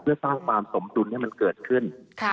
เพื่อสร้างความสมดุลให้มันเกิดขึ้น